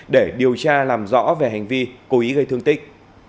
để điều tra làm rõ về hành vi cố ý gây thương tích